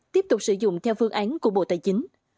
tiếp tục sử dụng theo phương án của bộ tài chính